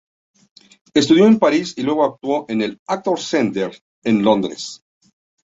Estudió en París y luego actuó en el "Actors 'Center" en Londres.